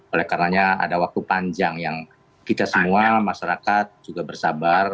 oleh karenanya ada waktu panjang yang kita semua masyarakat juga bersabar